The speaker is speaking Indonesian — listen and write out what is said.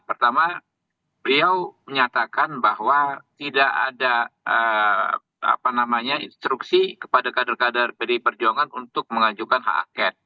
pertama beliau menyatakan bahwa tidak ada instruksi kepada kader kader pdi perjuangan untuk mengajukan hak angket